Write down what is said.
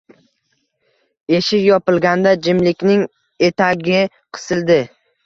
Eshik yopilganda jimlikning etagi qisildi.